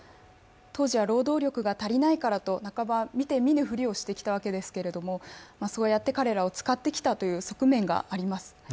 当時は労働力が足りないからと半ば見て見ぬふりをしてきたわけですけれども、そうやって彼らを使ってきた側面があります。